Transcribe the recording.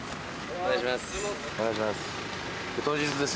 お願いします。